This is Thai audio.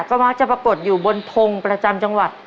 ก็มักจะปรากฏอยู่บนทงประจำจังหวัด